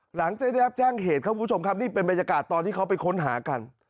หลังจากได้รับแจ้งเหตุครับคุณผู้ชมครับนี่เป็นบรรยากาศตอนที่เขาไปค้นหากัน